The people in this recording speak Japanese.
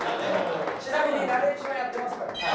ちなみにナレーションやってますから。